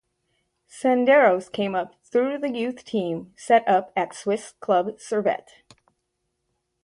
Senderos came up through the youth team set up at Swiss club Servette.